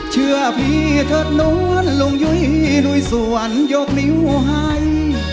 เชื่อพี่เถิดนวลลงยุ้ยด้วยส่วนยกนิ้วให้